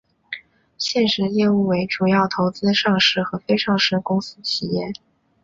现时业务为主要投资上市和非上市公司企业。